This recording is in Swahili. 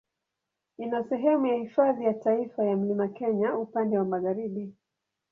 Ina sehemu ya Hifadhi ya Taifa ya Mlima Kenya upande wa magharibi.